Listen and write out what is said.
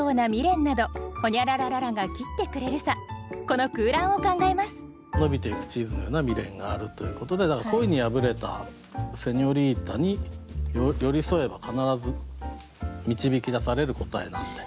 この空欄を考えます「伸びてゆくチーズのような未練」があるということでだから恋に破れたセニョリータに寄り添えば必ず導き出される答えなんで。